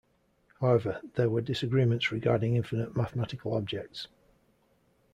However there were disagreements regarding infinite mathematical objects.